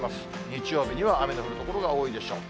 日曜日には雨の降る所が多いでしょう。